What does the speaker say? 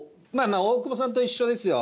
大久保さんと一緒ですよ。